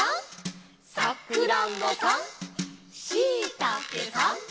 「さくらんぼさん」「しいたけさん」